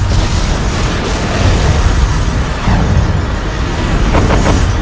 buat cerita selama berapa ceramah